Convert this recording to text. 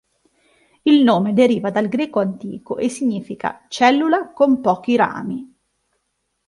Il nome deriva dal greco antico e significa "cellula con pochi rami".